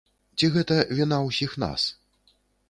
Ці гэта віна ўсіх нас?